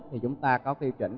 thì chúng ta có quy chuẩn